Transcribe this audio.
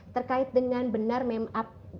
terkait dengan benar mem up pernyataan dari pak gatot